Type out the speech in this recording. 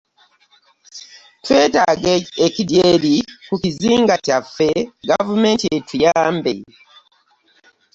Twetaaga ekidyeri ku kizinga kyaffe gavumenti etuyambe.